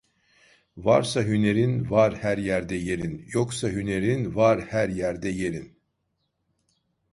Varsa hünerin, var her yerde yerin; yoksa hünerin, var her yerde yerin.